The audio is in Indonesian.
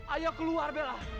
ayo keluar bella